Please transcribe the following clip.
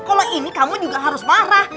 kalau ini kamu juga harus marah